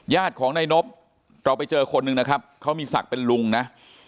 ญาติของนายนบเราไปเจอคนหนึ่งนะครับเขามีศักดิ์เป็นลุงนะ